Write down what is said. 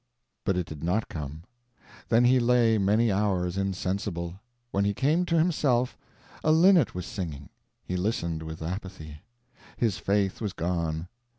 But it did not come. Then he lay many hours insensible. When he came to himself, a linnet was singing. He listened with apathy. His faith was gone.